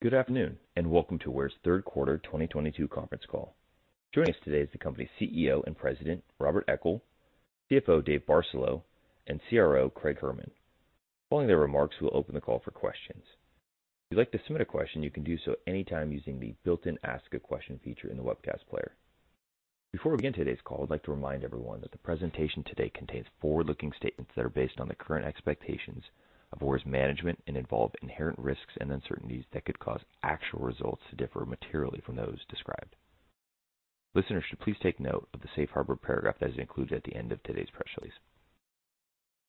Good afternoon, and welcome to Aware's Third Quarter 2022 Conference Call. Joining us today is the company's CEO and President, Robert Eckel; CFO, David Barcelo; and CRO, Craig Herman. Following their remarks, we'll open the call for questions. If you'd like to submit a question, you can do so anytime using the built-in ask a question feature in the webcast player. Before we begin today's call, I'd like to remind everyone that the presentation today contains forward-looking statements that are based on the current expectations of Aware's management and involve inherent risks and uncertainties that could cause actual results to differ materially from those described. Listeners should please take note of the safe harbor paragraph that is included at the end of today's press release.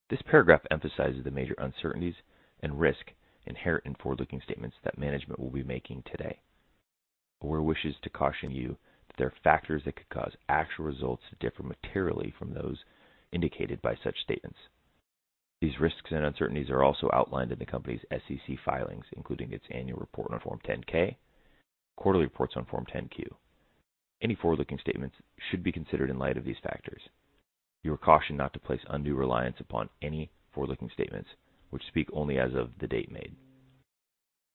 This paragraph emphasizes the major uncertainties and risk inherent in forward-looking statements that management will be making today. Aware wishes to caution you that there are factors that could cause actual results to differ materially from those indicated by such statements. These risks and uncertainties are also outlined in the company's SEC filings, including its annual report on Form 10-K, quarterly reports on Form 10-Q. Any forward-looking statements should be considered in light of these factors. You are cautioned not to place undue reliance upon any forward-looking statements which speak only as of the date made.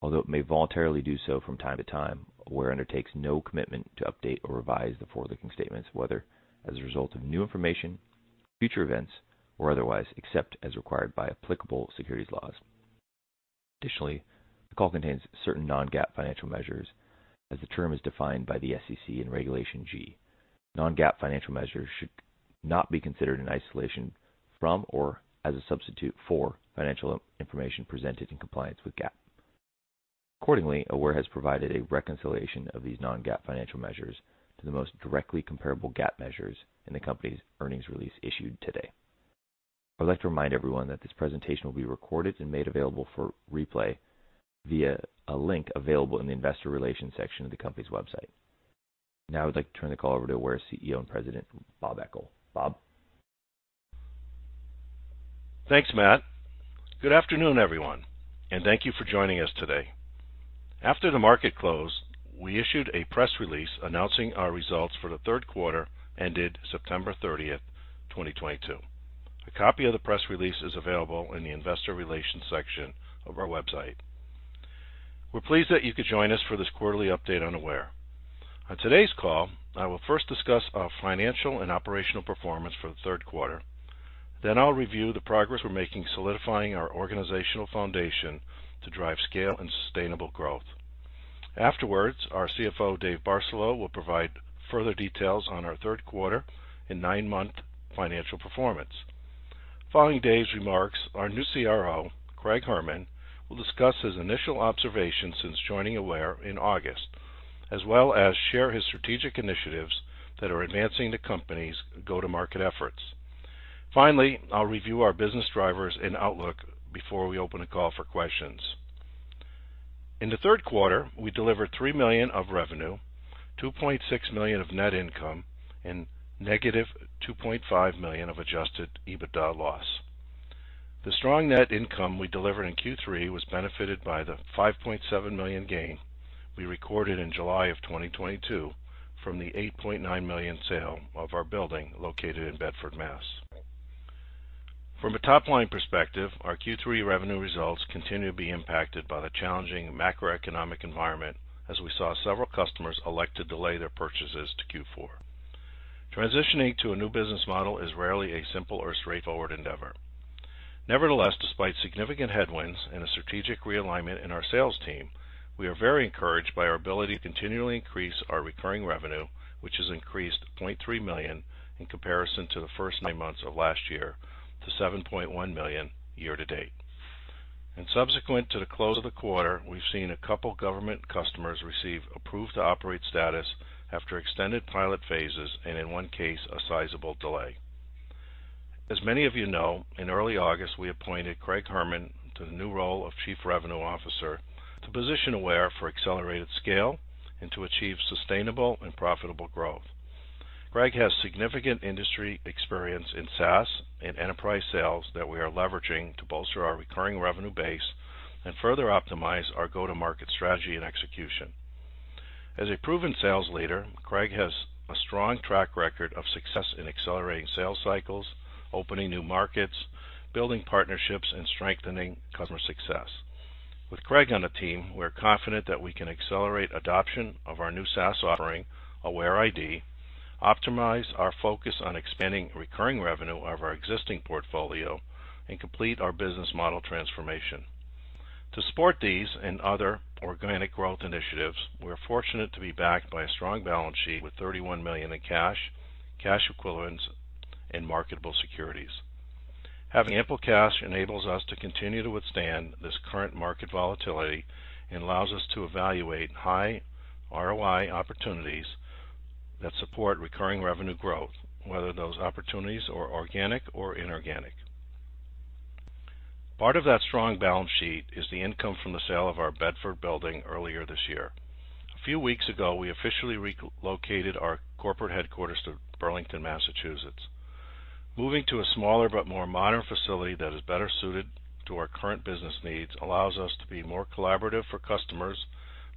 Although it may voluntarily do so from time to time, Aware undertakes no commitment to update or revise the forward-looking statements, whether as a result of new information, future events, or otherwise, except as required by applicable securities laws. Additionally, the call contains certain non-GAAP financial measures as the term is defined by the SEC in Regulation G. non-GAAP financial measures should not be considered in isolation from or as a substitute for financial information presented in compliance with GAAP. Accordingly, Aware has provided a reconciliation of these non-GAAP financial measures to the most directly comparable GAAP measures in the company's earnings release issued today. I'd like to remind everyone that this presentation will be recorded and made available for replay via a link available in the investor relations section of the company's website. Now I would like to turn the call over to Aware CEO and President, Bob Eckel. Bob? Thanks, Matt. Good afternoon, everyone, and thank you for joining us today. After the market closed, we issued a press release announcing our results for the third quarter ended September 30th, 2022. A copy of the press release is available in the investor relations section of our website. We're pleased that you could join us for this quarterly update on Aware. On today's call, I will first discuss our financial and operational performance for the third quarter. Then I'll review the progress we're making solidifying our organizational foundation to drive scale and sustainable growth. Afterwards, our CFO, Dave Barcelo, will provide further details on our third quarter and nine-month financial performance. Following Dave's remarks, our new CRO, Craig Herman, will discuss his initial observations since joining Aware in August, as well as share his strategic initiatives that are advancing the company's go-to-market efforts. Finally, I'll review our business drivers and outlook before we open the call for questions. In the third quarter, we delivered $3 million of revenue, $2.6 million of net income, and -$2.5 million of adjusted EBITDA loss. The strong net income we delivered in Q3 was benefited by the $5.7 million gain we recorded in July 2022 from the $8.9 million sale of our building located in Bedford, Mass. From a top-line perspective, our Q3 revenue results continue to be impacted by the challenging macroeconomic environment as we saw several customers elect to delay their purchases to Q4. Transitioning to a new business model is rarely a simple or straightforward endeavor. Nevertheless, despite significant headwinds and a strategic realignment in our sales team, we are very encouraged by our ability to continually increase our recurring revenue, which has increased $0.3 million in comparison to the first nine months of last year to $7.1 million year to date. Subsequent to the close of the quarter, we've seen a couple government customers receive approved to operate status after extended pilot phases, and in one case, a sizable delay. As many of you know, in early August, we appointed Craig Herman to the new role of Chief Revenue Officer to position Aware for accelerated scale and to achieve sustainable and profitable growth. Craig has significant industry experience in SaaS and enterprise sales that we are leveraging to bolster our recurring revenue base and further optimize our go-to-market strategy and execution. As a proven sales leader, Craig has a strong track record of success in accelerating sales cycles, opening new markets, building partnerships, and strengthening customer success. With Craig on the team, we're confident that we can accelerate adoption of our new SaaS offering, AwareID, optimize our focus on expanding recurring revenue of our existing portfolio, and complete our business model transformation. To support these and other organic growth initiatives, we're fortunate to be backed by a strong balance sheet with $31 million in cash equivalents, and marketable securities. Having ample cash enables us to continue to withstand this current market volatility and allows us to evaluate high ROI opportunities that support recurring revenue growth, whether those opportunities are organic or inorganic. Part of that strong balance sheet is the income from the sale of our Bedford building earlier this year. A few weeks ago, we officially relocated our corporate headquarters to Burlington, Massachusetts. Moving to a smaller but more modern facility that is better suited to our current business needs allows us to be more collaborative for customers,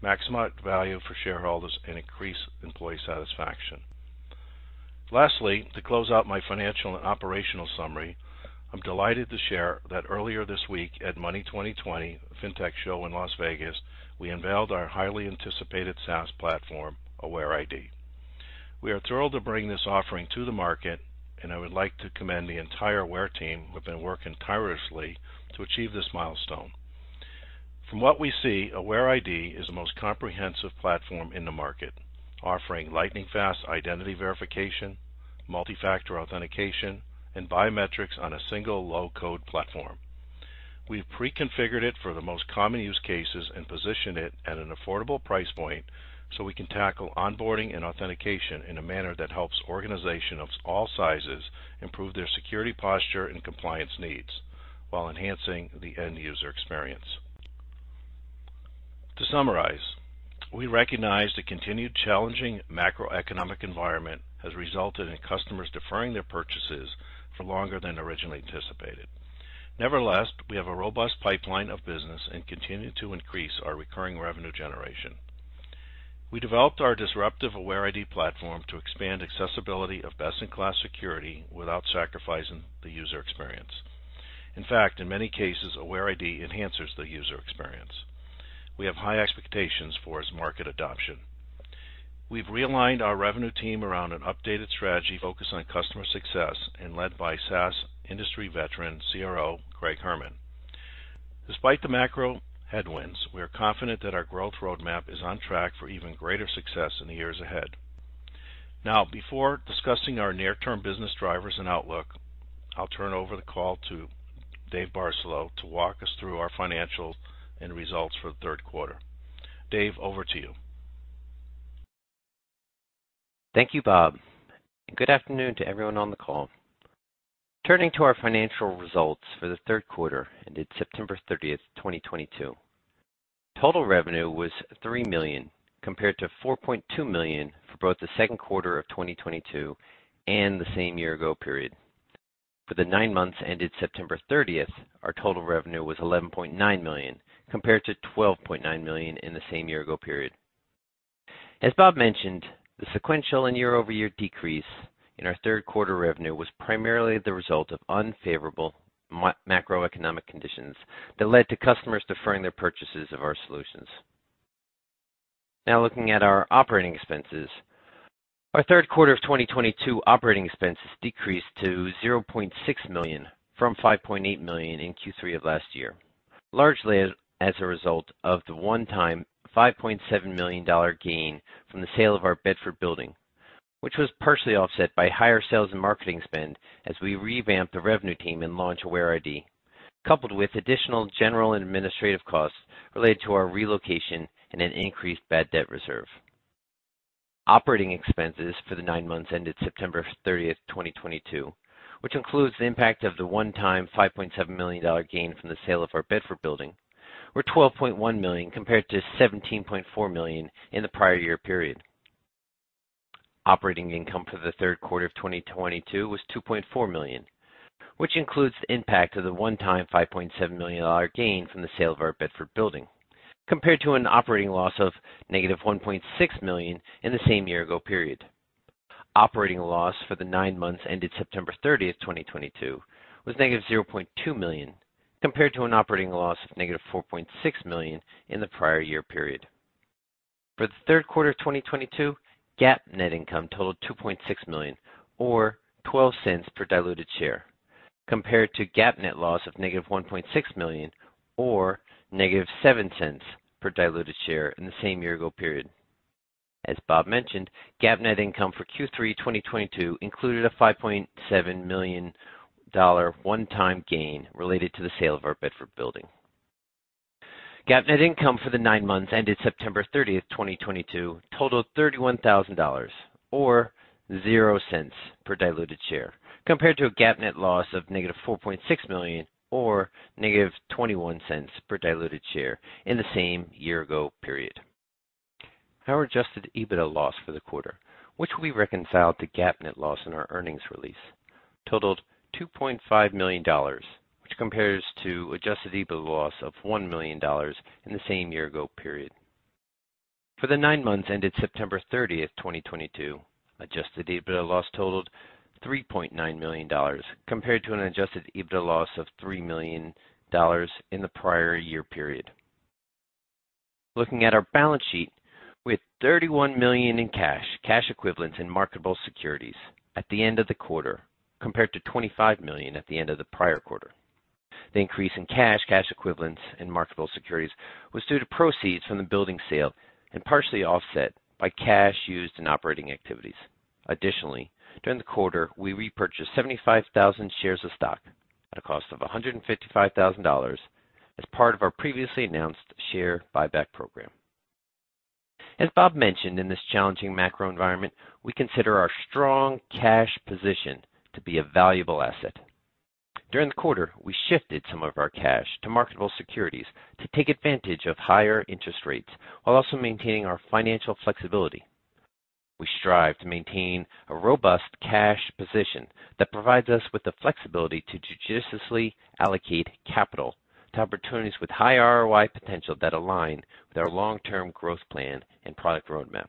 maximize value for shareholders, and increase employee satisfaction. Lastly, to close out my financial and operational summary, I'm delighted to share that earlier this week at Money20/20, a fintech show in Las Vegas, we unveiled our highly anticipated SaaS platform, AwareID. We are thrilled to bring this offering to the market, and I would like to commend the entire Aware team who have been working tirelessly to achieve this milestone. From what we see, AwareID is the most comprehensive platform in the market, offering lightning-fast identity verification, multi-factor authentication, and biometrics on a single low-code platform. We've pre-configured it for the most common use cases and positioned it at an affordable price point so we can tackle onboarding and authentication in a manner that helps organizations of all sizes improve their security posture and compliance needs while enhancing the end user experience. To summarize, we recognize the continued challenging macroeconomic environment has resulted in customers deferring their purchases for longer than originally anticipated. Nevertheless, we have a robust pipeline of business and continue to increase our recurring revenue generation. We developed our disruptive AwareID platform to expand accessibility of best-in-class security without sacrificing the user experience. In fact, in many cases, AwareID enhances the user experience. We have high expectations for its market adoption. We've realigned our revenue team around an updated strategy focused on customer success and led by SaaS industry veteran CRO Craig Herman. Despite the macro headwinds, we are confident that our growth roadmap is on track for even greater success in the years ahead. Now, before discussing our near-term business drivers and outlook, I'll turn over the call to Dave Barcelo to walk us through our financials and results for the third quarter. Dave, over to you. Thank you, Bob, and good afternoon to everyone on the call. Turning to our financial results for the third quarter ended September thirtieth, 2022. Total revenue was $3 million compared to $4.2 million for both the second quarter of 2022 and the same year-ago period. For the nine months ended September 30th, our total revenue was $11.9 million compared to $12.9 million in the same year-ago period. As Bob mentioned, the sequential and year-over-year decrease in our third quarter revenue was primarily the result of unfavorable macroeconomic conditions that led to customers deferring their purchases of our solutions. Now looking at our operating expenses. Our third quarter of 2022 operating expenses decreased to $0.6 million from $5.8 million in Q3 of last year, largely as a result of the one-time $5.7 million gain from the sale of our Bedford building, which was partially offset by higher sales and marketing spend as we revamped the revenue team and launched AwareID, coupled with additional general and administrative costs related to our relocation and an increased bad debt reserve. Operating expenses for the nine months ended September 30th, 2022, which includes the impact of the one-time $5.7 million gain from the sale of our Bedford building, were $12.1 million compared to $17.4 million in the prior year period. Operating income for the third quarter of 2022 was $2.4 million, which includes the impact of the one-time $5.7 million dollar gain from the sale of our Bedford building, compared to an operating loss of -$1.6 million in the same year-ago period. Operating loss for the nine months ended September 30th, 2022 was -$0.2 million, compared to an operating loss of -$4.6 million in the prior year period. For the third quarter of 2022, GAAP net income totaled $2.6 million or $0.12 per diluted share, compared to GAAP net loss of -$1.6 million or -$0.07 per diluted share in the same year-ago period. As Bob mentioned, GAAP net income for Q3 2022 included a $5.7 million one-time gain related to the sale of our Bedford building. GAAP net income for the nine months ended September 30th, 2022 totaled $31,000 or 0 cents per diluted share, compared to a GAAP net loss of -$4.6 million or -21 cents per diluted share in the same year-ago period. Our adjusted EBITDA loss for the quarter, which we reconciled to GAAP net loss in our earnings release, totaled $2.5 million, which compares to adjusted EBITDA loss of $1 million in the same year-ago period. For the nine months ended September 30th, 2022, adjusted EBITDA loss totaled $3.9 million compared to an adjusted EBITDA loss of $3 million in the prior year period. Looking at our balance sheet, we had $31 million in cash equivalents, and marketable securities at the end of the quarter, compared to $25 million at the end of the prior quarter. The increase in cash equivalents, and marketable securities was due to proceeds from the building sale and partially offset by cash used in operating activities. Additionally, during the quarter, we repurchased 75,000 shares of stock at a cost of $155,000 as part of our previously announced share buyback program. As Bob mentioned, in this challenging macro environment, we consider our strong cash position to be a valuable asset. During the quarter, we shifted some of our cash to marketable securities to take advantage of higher interest rates while also maintaining our financial flexibility. We strive to maintain a robust cash position that provides us with the flexibility to judiciously allocate capital to opportunities with high ROI potential that align with our long-term growth plan and product roadmap.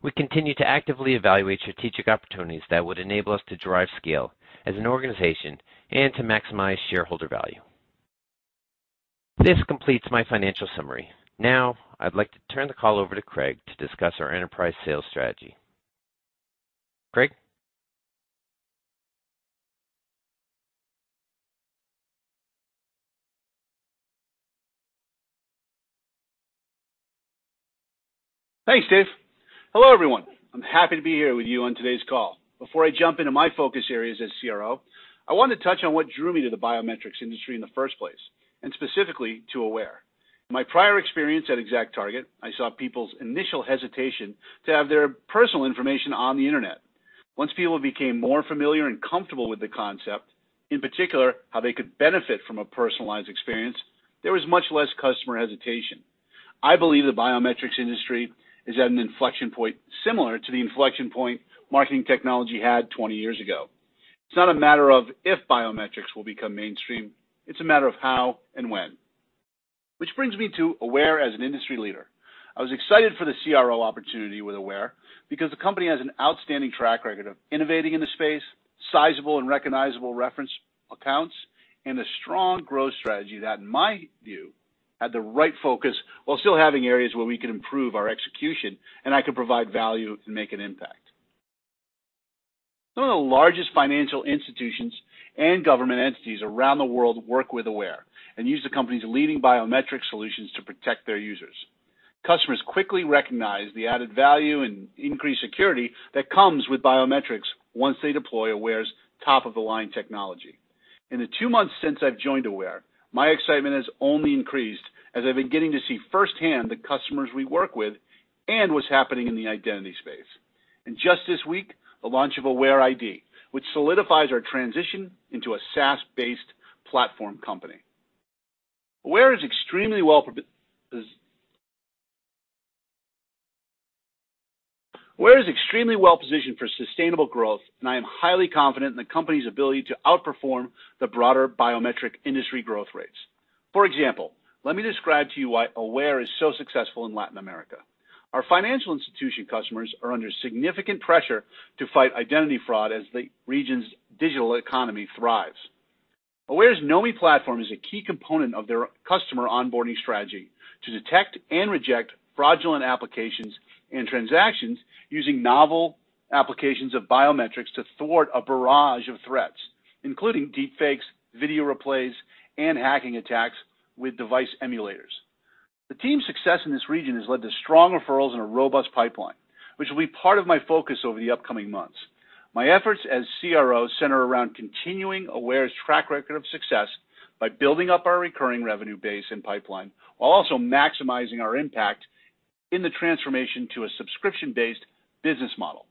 We continue to actively evaluate strategic opportunities that would enable us to drive scale as an organization and to maximize shareholder value. This completes my financial summary. Now, I'd like to turn the call over to Craig to discuss our enterprise sales strategy. Craig? Thanks, Dave. Hello, everyone. I'm happy to be here with you on today's call. Before I jump into my focus areas as CRO, I want to touch on what drew me to the biometrics industry in the first place, and specifically to Aware. My prior experience at ExactTarget, I saw people's initial hesitation to have their personal information on the Internet. Once people became more familiar and comfortable with the concept, in particular, how they could benefit from a personalized experience, there was much less customer hesitation. I believe the biometrics industry is at an inflection point similar to the inflection point marketing technology had 20 years ago. It's not a matter of if biometrics will become mainstream, it's a matter of how and when. Which brings me to Aware as an industry leader. I was excited for the CRO opportunity with Aware because the company has an outstanding track record of innovating in the space, sizable and recognizable reference accounts, and a strong growth strategy that, in my view, had the right focus while still having areas where we can improve our execution and I could provide value and make an impact. Some of the largest financial institutions and government entities around the world work with Aware and use the company's leading biometric solutions to protect their users. Customers quickly recognize the added value and increased security that comes with biometrics once they deploy Aware's top-of-the-line technology. In the two months since I've joined Aware, my excitement has only increased as I've been getting to see firsthand the customers we work with and what's happening in the identity space. Just this week, the launch of AwareID, which solidifies our transition into a SaaS-based platform company. Aware is extremely well-positioned for sustainable growth, and I am highly confident in the company's ability to outperform the broader biometric industry growth rates. For example, let me describe to you why Aware is so successful in Latin America. Our financial institution customers are under significant pressure to fight identity fraud as the region's digital economy thrives. Aware's Knomi platform is a key component of their customer onboarding strategy to detect and reject fraudulent applications and transactions using novel applications of biometrics to thwart a barrage of threats, including deepfakes, video replays, and hacking attacks with device emulators. The team's success in this region has led to strong referrals and a robust pipeline, which will be part of my focus over the upcoming months. My efforts as CRO center around continuing Aware's track record of success by building up our recurring revenue base and pipeline, while also maximizing our impact in the transformation to a subscription-based business model.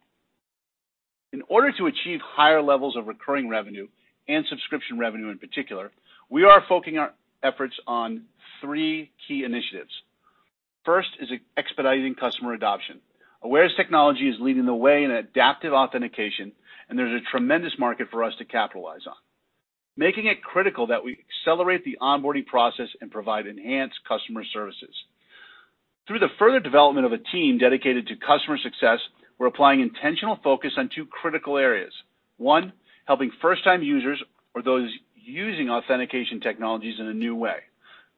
In order to achieve higher levels of recurring revenue and subscription revenue in particular, we are focusing our efforts on three key initiatives. First is expediting customer adoption. Aware's technology is leading the way in adaptive authentication, and there's a tremendous market for us to capitalize on, making it critical that we accelerate the onboarding process and provide enhanced customer services. Through the further development of a team dedicated to customer success, we're applying intentional focus on two critical areas. One, helping first-time users or those using authentication technologies in a new way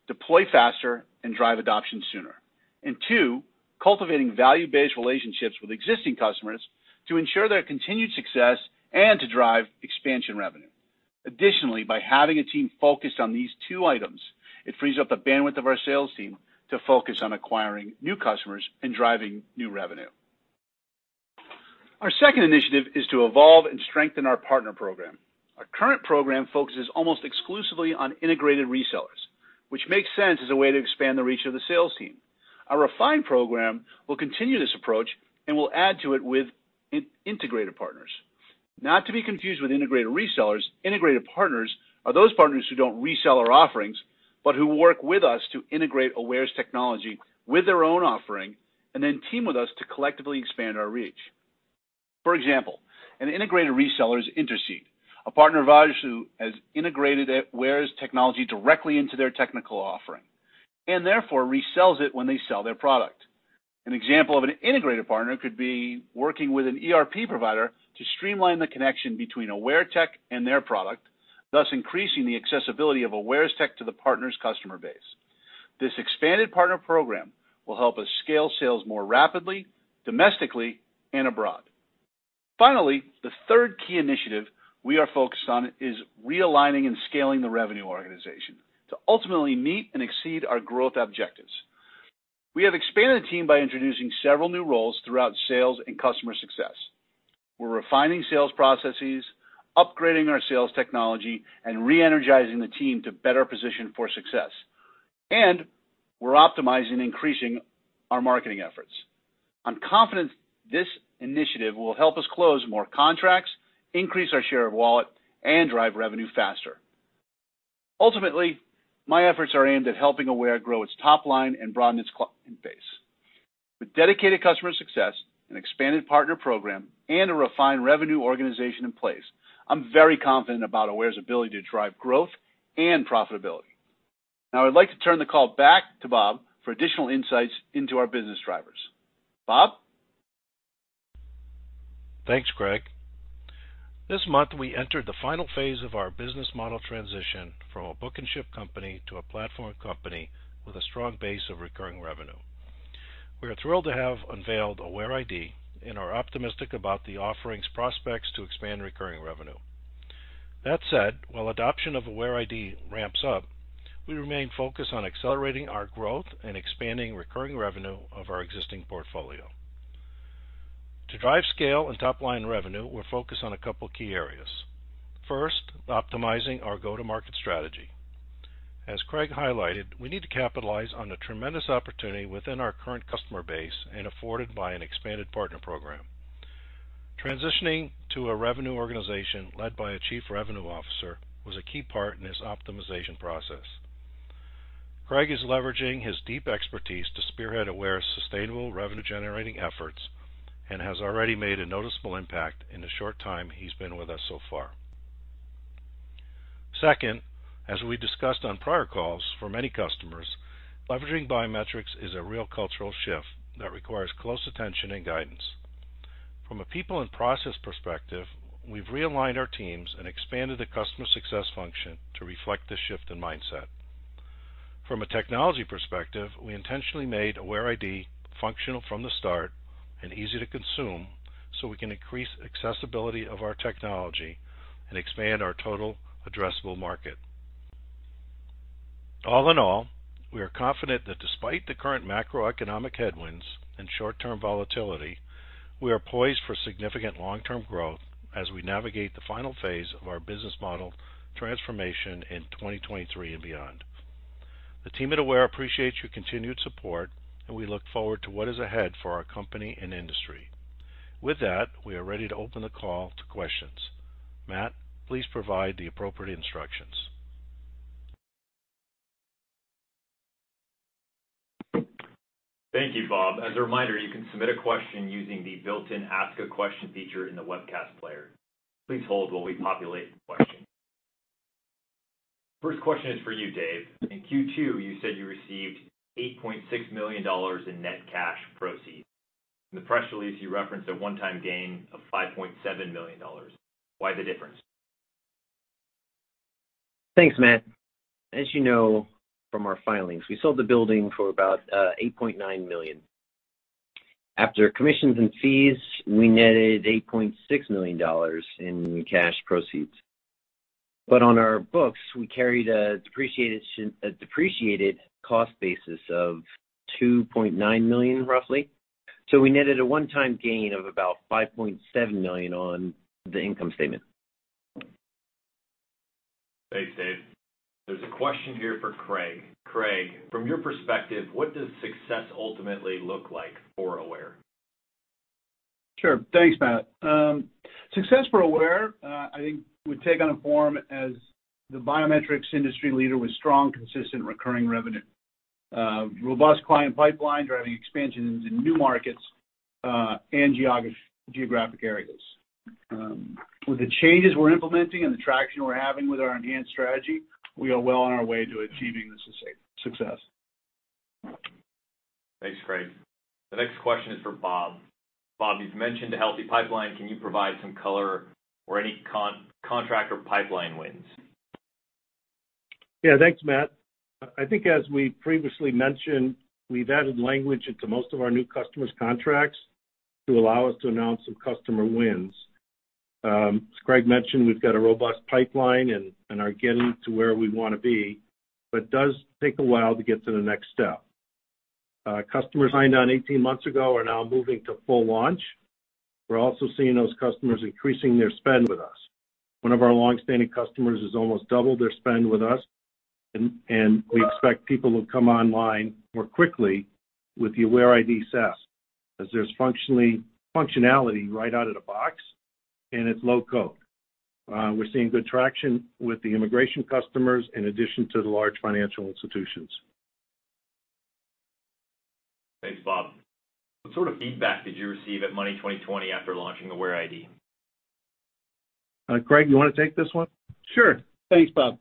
deploy faster and drive adoption sooner. Two, cultivating value-based relationships with existing customers to ensure their continued success and to drive expansion revenue. Additionally, by having a team focused on these two items, it frees up the bandwidth of our sales team to focus on acquiring new customers and driving new revenue. Our second initiative is to evolve and strengthen our partner program. Our current program focuses almost exclusively on integrated resellers, which makes sense as a way to expand the reach of the sales team. Our refined program will continue this approach and will add to it with integrated partners. Not to be confused with integrated resellers, integrated partners are those partners who don't resell our offerings, but who work with us to integrate Aware's technology with their own offering and then team with us to collectively expand our reach. For example, an integrated reseller is Intercede, a partner of ours who has integrated Aware's technology directly into their technical offering, and therefore resells it when they sell their product. An example of an integrated partner could be working with an ERP provider to streamline the connection between Aware tech and their product, thus increasing the accessibility of Aware's tech to the partner's customer base. This expanded partner program will help us scale sales more rapidly, domestically and abroad. Finally, the third key initiative we are focused on is realigning and scaling the revenue organization to ultimately meet and exceed our growth objectives. We have expanded the team by introducing several new roles throughout sales and customer success. We're refining sales processes, upgrading our sales technology, and re-energizing the team to better position for success. We're optimizing and increasing our marketing efforts. I'm confident this initiative will help us close more contracts, increase our share of wallet, and drive revenue faster. Ultimately, my efforts are aimed at helping Aware grow its top line. With dedicated customer success, an expanded partner program, and a refined revenue organization in place, I'm very confident about Aware's ability to drive growth and profitability. Now I'd like to turn the call back to Bob for additional insights into our business drivers. Bob? Thanks, Craig. This month, we entered the final phase of our business model transition from a book and ship company to a platform company with a strong base of recurring revenue. We are thrilled to have unveiled AwareID and are optimistic about the offering's prospects to expand recurring revenue. That said, while adoption of AwareID ramps up, we remain focused on accelerating our growth and expanding recurring revenue of our existing portfolio. To drive scale and top-line revenue, we're focused on a couple key areas. First, optimizing our go-to-market strategy. As Craig highlighted, we need to capitalize on the tremendous opportunity within our current customer base and afforded by an expanded partner program. Transitioning to a revenue organization led by a chief revenue officer was a key part in this optimization process. Craig is leveraging his deep expertise to spearhead Aware's sustainable revenue-generating efforts and has already made a noticeable impact in the short time he's been with us so far. Second, as we discussed on prior calls, for many customers, leveraging biometrics is a real cultural shift that requires close attention and guidance. From a people and process perspective, we've realigned our teams and expanded the customer success function to reflect this shift in mindset. From a technology perspective, we intentionally made AwareID functional from the start and easy to consume so we can increase accessibility of our technology and expand our total addressable market. All in all, we are confident that despite the current macroeconomic headwinds and short-term volatility, we are poised for significant long-term growth as we navigate the final phase of our business model transformation in 2023 and beyond. The team at Aware appreciates your continued support, and we look forward to what is ahead for our company and industry. With that, we are ready to open the call to questions. Matt, please provide the appropriate instructions. Thank you, Bob. As a reminder, you can submit a question using the built-in ask a question feature in the webcast player. Please hold while we populate the question. First question is for you, Dave. In Q2, you said you received $8.6 million in net cash proceeds. In the press release, you referenced a one-time gain of $5.7 million. Why the difference? Thanks, Matt. As you know from our filings, we sold the building for about $8.9 million. After commissions and fees, we netted $8.6 million in cash proceeds. On our books, we carried a depreciated cost basis of $2.9 million, roughly. We netted a one-time gain of about $5.7 million on the income statement. Thanks, Dave. There's a question here for Craig. Craig, from your perspective, what does success ultimately look like for Aware? Sure. Thanks, Matt. Success for Aware, I think would take on a form as the biometrics industry leader with strong, consistent recurring revenue, robust client pipeline, driving expansions in new markets, and geographic areas. With the changes we're implementing and the traction we're having with our enhanced strategy, we are well on our way to achieving this success. Thanks, Craig. The next question is for Bob. Bob, you've mentioned a healthy pipeline. Can you provide some color or any contract or pipeline wins? Yeah. Thanks, Matt. I think as we previously mentioned, we've added language into most of our new customers' contracts to allow us to announce some customer wins. As Craig mentioned, we've got a robust pipeline and are getting to where we want to be, but it does take a while to get to the next step. Customers signed on 18 months ago are now moving to full launch. We're also seeing those customers increasing their spend with us. One of our long-standing customers has almost doubled their spend with us, and we expect people to come online more quickly with the AwareID SaaS as there's functionality right out of the box, and it's low code. We're seeing good traction with the immigration customers in addition to the large financial institutions. Thanks, Bob. What sort of feedback did you receive at Money20/20 after launching AwareID? Craig, you wanna take this one? Sure. Thanks, Bob.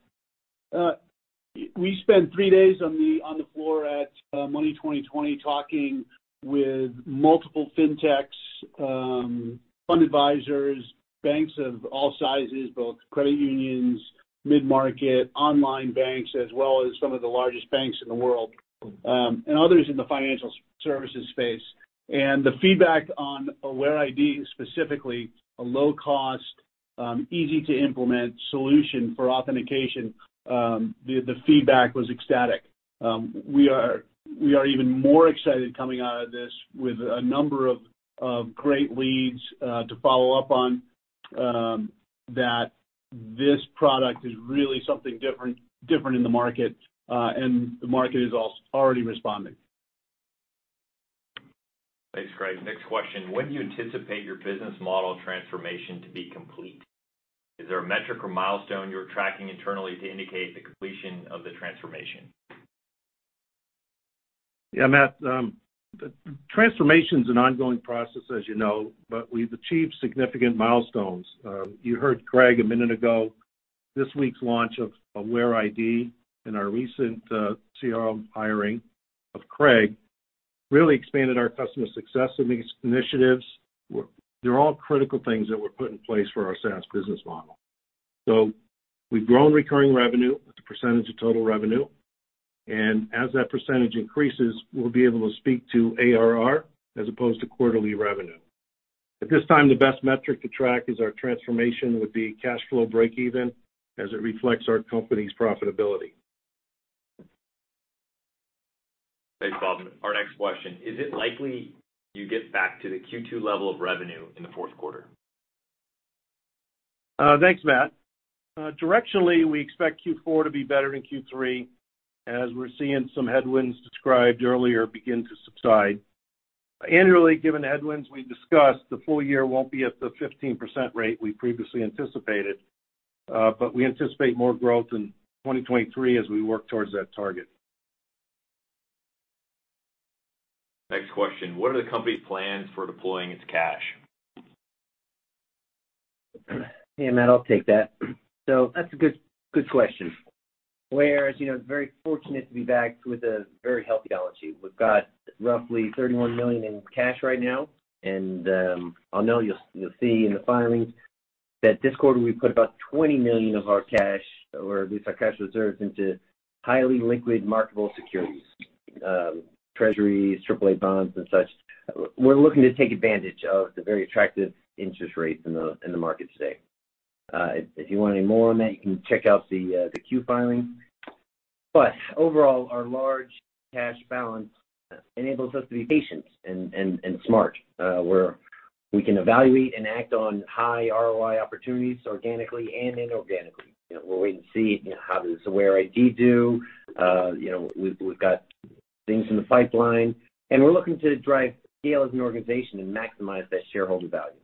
We spent three days on the floor at Money20/20 talking with multiple fintechs, fund advisors, banks of all sizes, both credit unions, mid-market, online banks, as well as some of the largest banks in the world, and others in the financial services space. The feedback on AwareID, specifically a low cost, easy to implement solution for authentication, the feedback was ecstatic. We are even more excited coming out of this with a number of great leads to follow up on, that this product is really something different in the market, and the market is already responding. Thanks, Craig. Next question, when do you anticipate your business model transformation to be complete? Is there a metric or milestone you're tracking internally to indicate the completion of the transformation? Yeah, Matt, the transformation's an ongoing process, as you know, but we've achieved significant milestones. You heard Craig a minute ago. This week's launch of AwareID and our recent CRO hiring of Craig really expanded our customer success in these initiatives. They're all critical things that were put in place for our SaaS business model. We've grown recurring revenue as a percentage of total revenue. As that percentage increases, we'll be able to speak to ARR as opposed to quarterly revenue. At this time, the best metric to track is our transformation would be cash flow breakeven as it reflects our company's profitability. Thanks, Bob. Our next question: Is it likely you get back to the Q2 level of revenue in the fourth quarter? Thanks, Matt. Directionally, we expect Q4 to be better than Q3 as we're seeing some headwinds described earlier begin to subside. Annually, given the headwinds we discussed, the full year won't be at the 15% rate we previously anticipated, but we anticipate more growth in 2023 as we work towards that target. Next question: What are the company's plans for deploying its cash? Yeah, Matt, I'll take that. That's a good question. Aware is, you know, very fortunate to be backed with a very healthy balance sheet. We've got roughly $31 million in cash right now, and I know you'll see in the filings that this quarter, we put about $20 million of our cash or at least our cash reserves into highly liquid marketable securities, treasuries, triple-A bonds, and such. We're looking to take advantage of the very attractive interest rates in the market today. If you want any more on that, you can check out the 10-Q filing. Overall, our large cash balance enables us to be patient and smart, where we can evaluate and act on high ROI opportunities organically and inorganically. You know, we'll wait and see, you know, how does AwareID do. You know, we've got things in the pipeline, and we're looking to drive scale as an organization and maximize that shareholder value.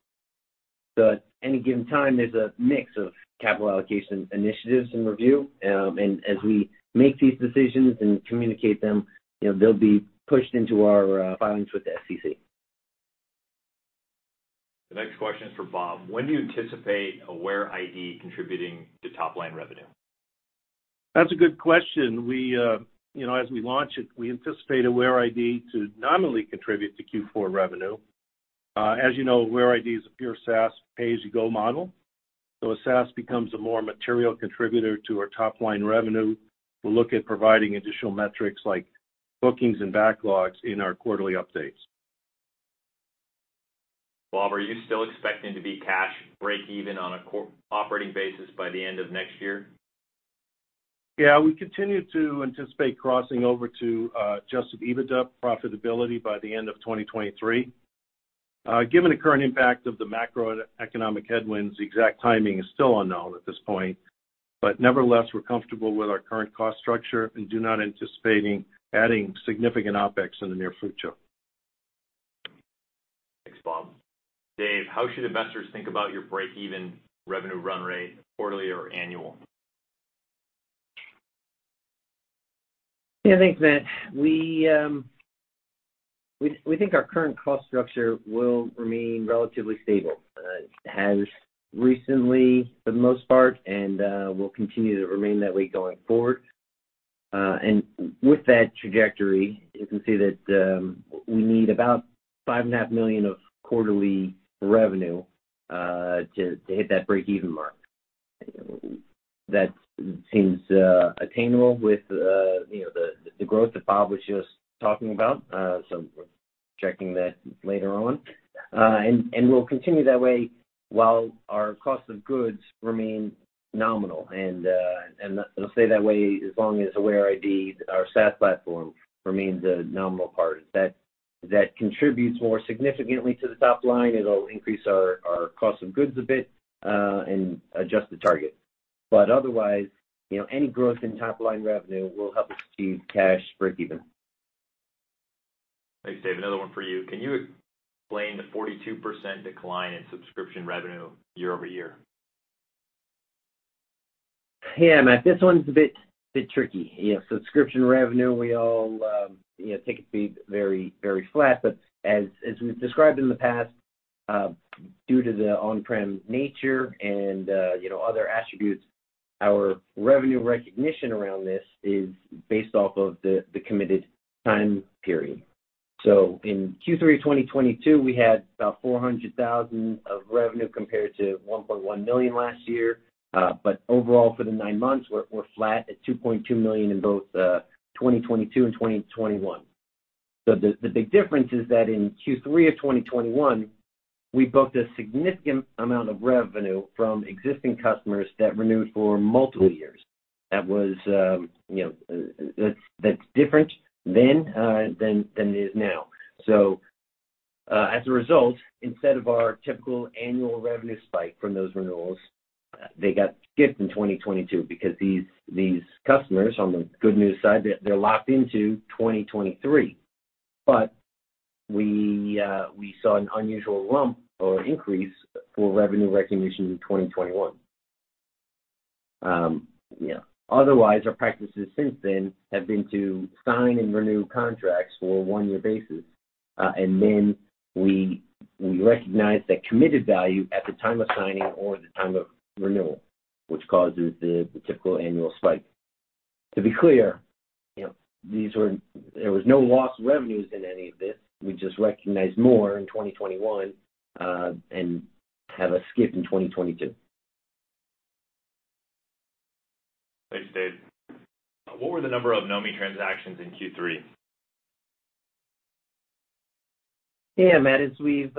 At any given time, there's a mix of capital allocation initiatives in review. As we make these decisions and communicate them, you know, they'll be pushed into our filings with the SEC. The next question is for Bob. When do you anticipate AwareID contributing to top-line revenue? That's a good question. We, you know, as we launch it, we anticipate AwareID to nominally contribute to Q4 revenue. As you know, AwareID is a pure SaaS pay-as-you-go model. As SaaS becomes a more material contributor to our top-line revenue, we'll look at providing additional metrics like bookings and backlogs in our quarterly updates. Bob, are you still expecting to be cash breakeven on a core operating basis by the end of next year? Yeah. We continue to anticipate crossing over to adjusted EBITDA profitability by the end of 2023. Given the current impact of the macroeconomic headwinds, the exact timing is still unknown at this point. Nevertheless, we're comfortable with our current cost structure and do not anticipate adding significant OpEx in the near future. Thanks, Bob. Dave, how should investors think about your breakeven revenue run rate quarterly or annual? Yeah. Thanks, Matt. We think our current cost structure will remain relatively stable, has recently for the most part and will continue to remain that way going forward. With that trajectory, you can see that we need about $5.5 million of quarterly revenue to hit that breakeven mark. That seems attainable with you know the growth that Bob was just talking about, so we're checking that later on. We'll continue that way while our cost of goods remain nominal. It'll stay that way as long as AwareID, our SaaS platform, remains a nominal part. If that contributes more significantly to the top line, it'll increase our cost of goods a bit and adjust the target. Otherwise, you know, any growth in top-line revenue will help us achieve cash breakeven. Thanks, Dave. Another one for you. Can you explain the 42% decline in subscription revenue year-over-year? Yeah, Matt. This one's a bit tricky. You know, subscription revenue, we all, you know, take it to be very flat. But as we've described in the past, due to the on-prem nature and, you know, other attributes, our revenue recognition around this is based off of the committed time period. In Q3 2022, we had about $400,000 of revenue compared to $1.1 million last year. But overall, for the nine months, we're flat at $2.2 million in both 2022 and 2021. The big difference is that in Q3 2021, we booked a significant amount of revenue from existing customers that renewed for multiple years. That was, you know, that's different than it is now. As a result, instead of our typical annual revenue spike from those renewals, they got skipped in 2022 because these customers, on the good news side, they're locked into 2023. We saw an unusual lump or increase for revenue recognition in 2021. Otherwise, our practices since then have been to sign and renew contracts for a one-year basis. Then we recognize the committed value at the time of signing or the time of renewal, which causes the typical annual spike. To be clear, you know, these were. There was no lost revenues in any of this. We just recognized more in 2021, and have a skip in 2022. Thanks, Dave. What were the number of Knomi transactions in Q3? Yeah, Matt, as we've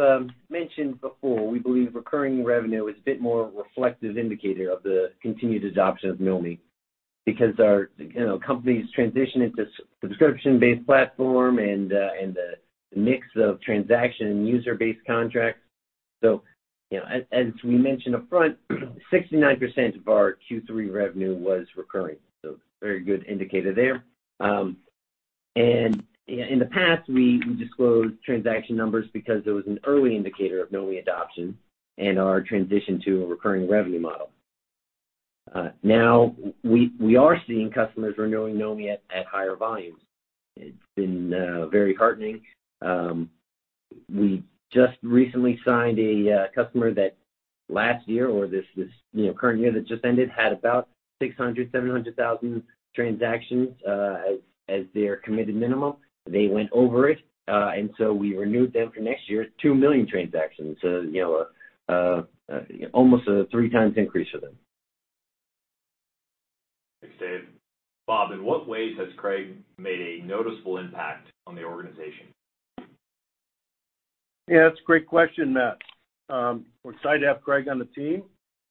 mentioned before, we believe recurring revenue is a bit more reflective indicator of the continued adoption of Knomi because our company's transition into subscription-based platform and the mix of transaction user-based contracts. You know, as we mentioned upfront, 69% of our Q3 revenue was recurring, so very good indicator there. In the past, we disclosed transaction numbers because there was an early indicator of Knomi adoption and our transition to a recurring revenue model. Now we are seeing customers renewing Knomi at higher volumes. It's been very heartening. We just recently signed a customer that last year or this you know, current year that just ended had about 600-700,000 transactions as their committed minimum. They went over it, and so we renewed them for next year's two million transactions. You know, almost a three times increase for them. Thanks, Dave. Bob, in what ways has Craig made a noticeable impact on the organization? Yeah, that's a great question, Matt. We're excited to have Craig on the team.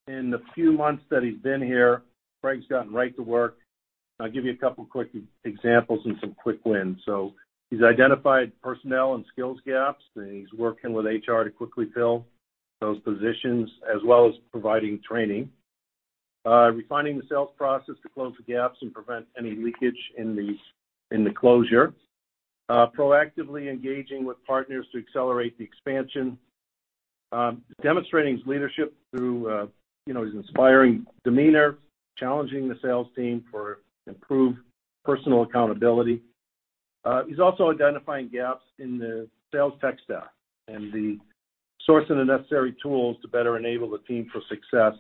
In the few months that he's been here, Craig's gotten right to work. I'll give you a couple quick examples and some quick wins. He's identified personnel and skills gaps, and he's working with HR to quickly fill those positions as well as providing training. Refining the sales process to close the gaps and prevent any leakage in the closure. Proactively engaging with partners to accelerate the expansion. Demonstrating his leadership through, you know, his inspiring demeanor, challenging the sales team for improved personal accountability. He's also identifying gaps in the sales tech stack and sourcing the necessary tools to better enable the team for success.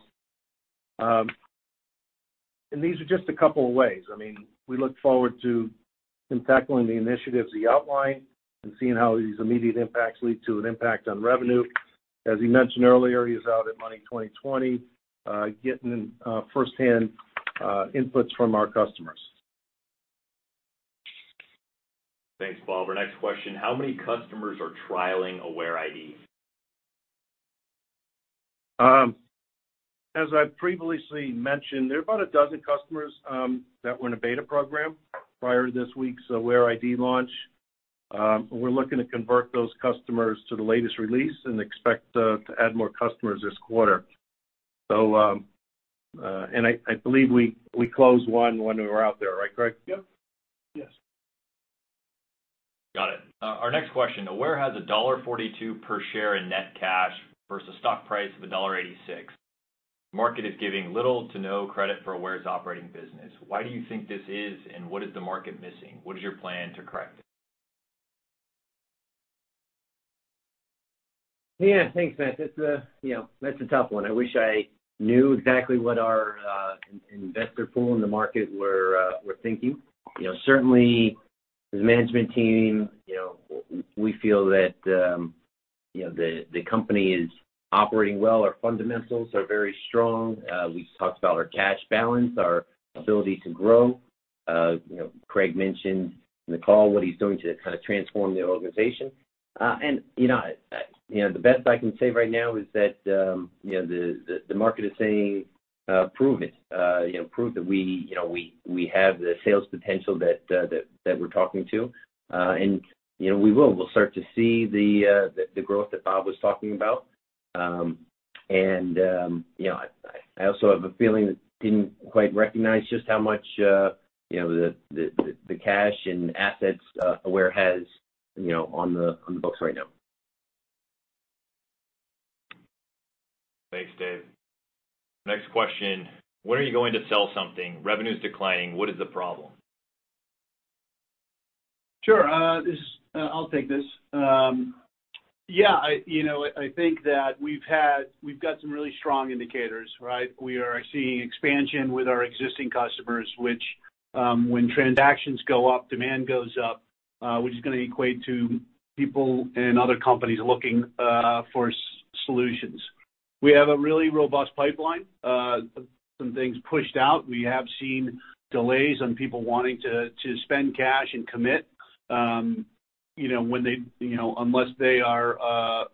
These are just a couple of ways. I mean, we look forward to him tackling the initiatives he outlined and seeing how these immediate impacts lead to an impact on revenue. As he mentioned earlier, he's out at Money20/20, getting first-hand inputs from our customers. Thanks, Bob. Our next question. How many customers are trialing AwareID? As I previously mentioned, there are about a dozen customers that were in a beta program prior to this week's AwareID launch. We're looking to convert those customers to the latest release and expect to add more customers this quarter. I believe we closed one when we were out there. Right, Craig? Yep. Yes. Got it. Our next question. Aware has $1.42 per share in net cash vs stock price of $1.86. Market is giving little to no credit for Aware's operating business. Why do you think this is, and what is the market missing? What is your plan to correct it? Yeah. Thanks, Matt. That's a you know that's a tough one. I wish I knew exactly what our investor pool in the market were thinking. You know, certainly as a management team, you know, we feel that you know the company is operating well. Our fundamentals are very strong. We talked about our cash balance, our ability to grow. You know, Craig mentioned in the call what he's doing to kind of transform the organization. You know, the best I can say right now is that you know the market is saying prove it. You know, prove that we you know we have the sales potential that we're talking about. You know, we will. We'll start to see the growth that Bob was talking about. You know, I also have a feeling that didn't quite recognize just how much, you know, the cash and assets Aware has, you know, on the books right now. Thanks, David. Next question. When are you going to sell something? Revenue's declining. What is the problem? Sure. I'll take this. Yeah, you know, I think that we've got some really strong indicators, right? We are seeing expansion with our existing customers, which, when transactions go up, demand goes up, which is gonna equate to people and other companies looking for solutions. We have a really robust pipeline. Some things pushed out. We have seen delays on people wanting to spend cash and commit, you know, when they, you know, unless they are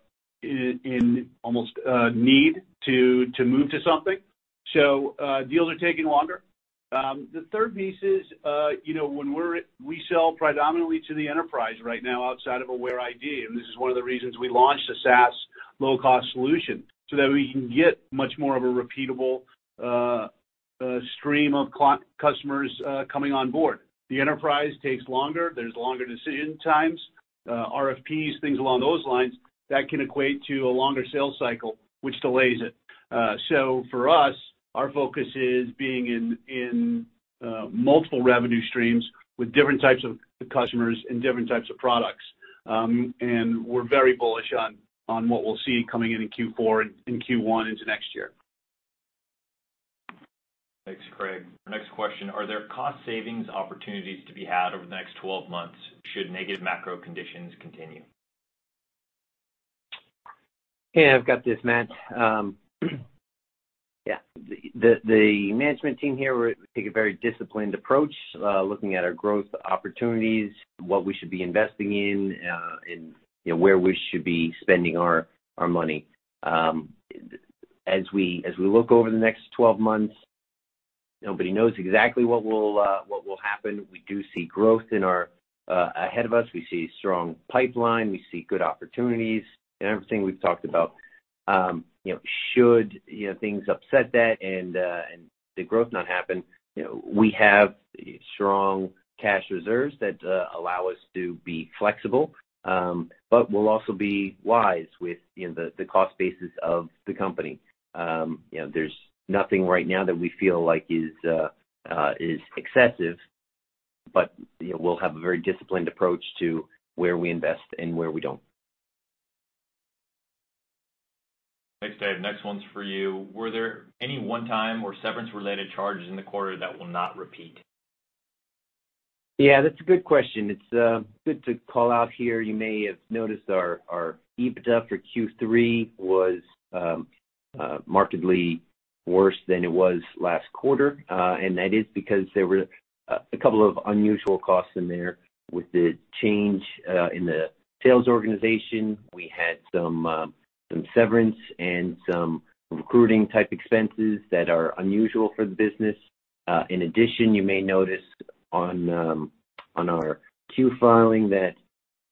in almost need to move to something. Deals are taking longer. The third piece is, you know, we sell predominantly to the enterprise right now outside of AwareID, and this is one of the reasons we launched the SaaS. Low-cost solution so that we can get much more of a repeatable stream of customers coming on board. The enterprise takes longer. There's longer decision times, RFPs, things along those lines that can equate to a longer sales cycle, which delays it. For us, our focus is being in multiple revenue streams with different types of customers and different types of products. We're very bullish on what we'll see coming into Q4 and Q1 into next year. Thanks, Craig. Our next question, are there cost savings opportunities to be had over the next 12 months should negative macro conditions continue? Yeah, I've got this, Matt. Yeah. The management team here, we take a very disciplined approach, looking at our growth opportunities, what we should be investing in, and where we should be spending our money. As we look over the next 12 months, nobody knows exactly what will happen. We do see growth ahead of us. We see strong pipeline, we see good opportunities, and everything we've talked about. You know, should things upset that and the growth not happen, you know, we have strong cash reserves that allow us to be flexible. We'll also be wise with, you know, the cost basis of the company. You know, there's nothing right now that we feel like is excessive, but, you know, we'll have a very disciplined approach to where we invest and where we don't. Thanks, Dave. Next one's for you. Were there any one-time or severance related charges in the quarter that will not repeat? Yeah, that's a good question. It's good to call out here. You may have noticed our EBITDA for Q3 was markedly worse than it was last quarter. That is because there were a couple of unusual costs in there with the change in the sales organization. We had some severance and some recruiting type expenses that are unusual for the business. In addition, you may notice on our Q filing that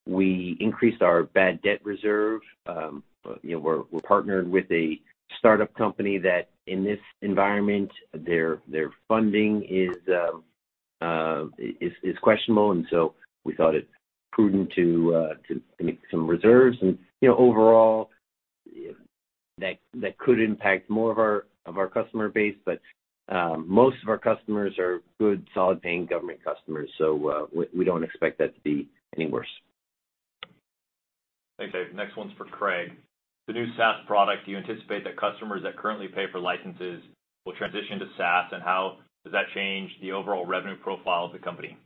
we increased our bad debt reserve. You know, we're partnered with a startup company that in this environment, their funding is questionable. We thought it prudent to make some reserves. You know, overall that could impact more of our customer base. Most of our customers are good, solid paying government customers, so we don't expect that to be any worse. Thanks, Dave. Next one's for Craig. The new SaaS product, do you anticipate that customers that currently pay for licenses will transition to SaaS? How does that change the overall revenue profile of the company?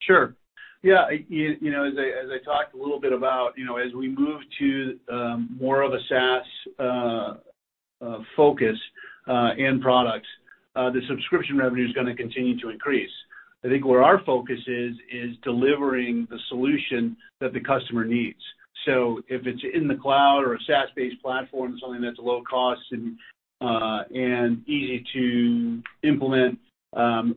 Sure. Yeah, you know, as I talked a little bit about, you know, as we move to more of a SaaS focus and products, the subscription revenue is gonna continue to increase. I think where our focus is delivering the solution that the customer needs. If it's in the cloud or a SaaS-based platform, something that's low cost and easy to implement,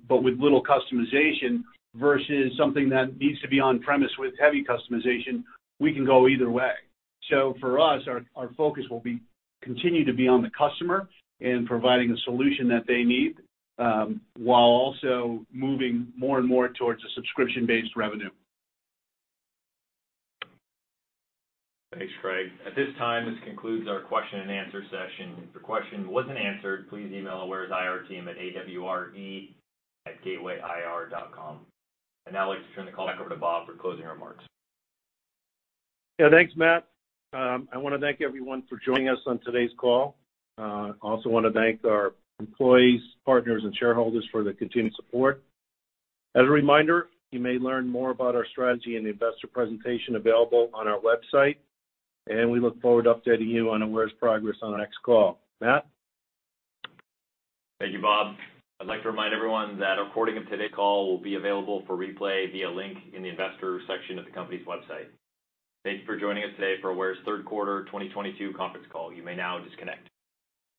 but with little customization vs something that needs to be on-premise with heavy customization, we can go either way. For us, our focus will continue to be on the customer and providing the solution that they need, while also moving more and more towards a subscription-based revenue. Thanks, Craig. At this time, this concludes our question and answer session. If your question wasn't answered, please email Aware's IR team at AWRE@gatewayir.com. I'd now like to turn the call back over to Bob for closing remarks. Yeah, thanks, Matt. I wanna thank everyone for joining us on today's call. I also wanna thank our employees, partners, and shareholders for their continued support. As a reminder, you may learn more about our strategy in the investor presentation available on our website, and we look forward to updating you on Aware's progress on the next call. Matt? Thank you, Bob. I'd like to remind everyone that a recording of today's call will be available for replay via link in the investor section of the company's website. Thank you for joining us today for Aware's third quarter 2022 conference call. You may now disconnect.